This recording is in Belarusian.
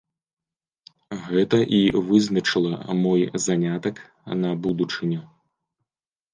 Гэта і вызначыла мой занятак на будучыню.